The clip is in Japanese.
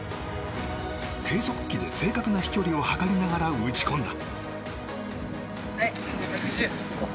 計測器で正確な飛距離を測りながら打ち込んだ。